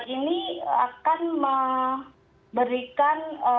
ini akan memberikan